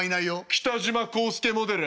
北島康介モデル。